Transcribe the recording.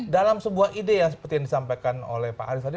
dalam sebuah ide yang seperti yang disampaikan oleh pak arief tadi